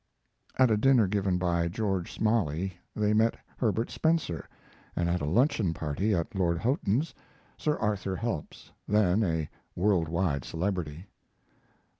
At a dinner given by George Smalley they met Herbert Spencer, and at a luncheon party at Lord Houghton's, Sir Arthur Helps, then a world wide celebrity.